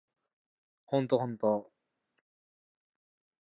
The speed and efficiency of the destruction by Sherman's army was remarkable.